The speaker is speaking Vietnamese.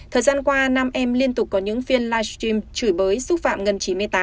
thời gian qua nam em liên tục có những phiên livestream chửi bới xúc phạm ngân chín mươi tám